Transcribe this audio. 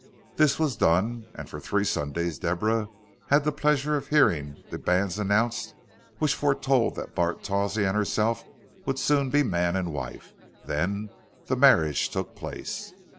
This was done, and for three Sundays Deborah had the pleasure of hearing the banns announced which foretold that Bart Tawsey and herself would soon be man and wife. Then the marriage took place.